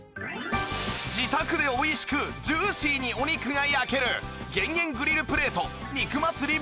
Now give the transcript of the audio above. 自宅で美味しくジューシーにお肉が焼ける減煙グリルプレート肉祭り